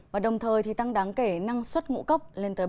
và đồng thời tăng đáng kể năng sử dụng